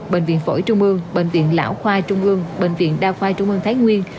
bệnh viện phổi trung mương bệnh viện lão khoai trung mương bệnh viện đao khoai trung mương thái nguyên